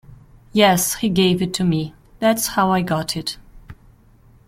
Yes, he gave it to me. That's how I got it.